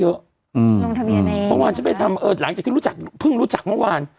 โอ้วเมื่อวานใช่ไหมหลังจากที่พึ่งรู้จักเมื่อวาน